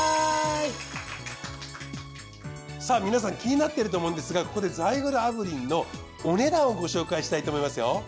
さぁ皆さん気になってると思うんですがここでザイグル炙輪のお値段をご紹介したいと思いますよ。